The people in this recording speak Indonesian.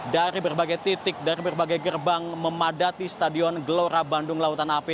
dari berbagai titik dari berbagai gerbang memadati stadion gelora bandung lautan api